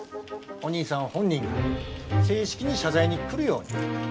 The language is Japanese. お兄さん本人が正式に謝罪に来るように。